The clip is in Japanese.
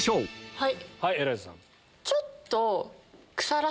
はい！